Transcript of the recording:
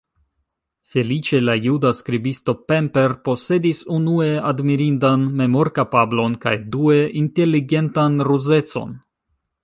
Feliĉe la juda skribisto Pemper posedis unue admirindan memorkapablon kaj due inteligentan ruzecon.